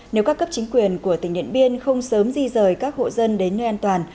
nếu các cấp chính quyền của tỉnh điện biên không sớm di rời các hộ dân đến nơi an toàn